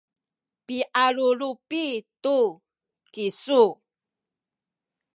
pialulupi tu kisu